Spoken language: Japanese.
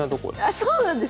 あそうなんですか。